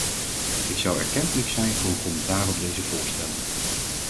Ik zou erkentelijk zijn voor een commentaar op deze voorstellen.